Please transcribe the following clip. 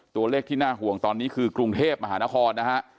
ตัวเลขที่น่าห่วงตอนนี้คือกรุงเทพมหานครนะฮะ